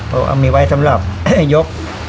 เอามีไว้สำหรับยก